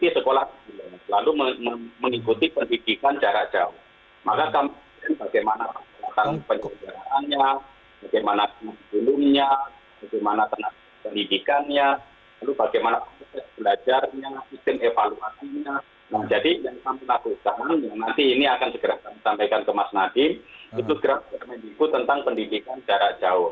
itu grafis pendidikku tentang pendidikan jarak jauh